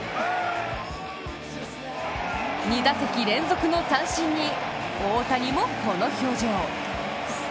２打席連続の三振に大谷もこの表情。